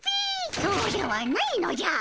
そうではないのじゃ！